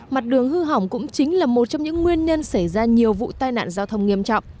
mặt đường hư hỏng cũng chính là một trong những nguyên nhân xảy ra nhiều vụ tai nạn giao thông nghiêm trọng